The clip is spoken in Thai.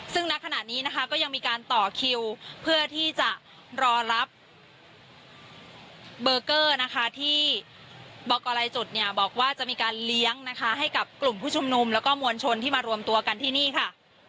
ซึ่งณขณะนี้นะคะก็ยังมีการต่อคิวเพื่อที่จะรอรับเบอร์เกอร์นะคะที่บอกกรรายจุดเนี่ยบอกว่าจะมีการเลี้ยงนะคะให้กับกลุ่มผู้ชุมนุมแล้วก็มวลชนที่มารวมตัวกันที่นี่ค่ะ